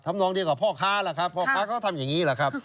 ทำน้องดีกว่าพ่อค้าล่ะครับพ่อค้าก็ทำอย่างนี้ล่ะครับ